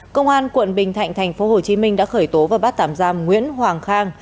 công an quận bình thạnh tp hcm đã khởi tố và bắt tạm giam nguyễn hoàng khang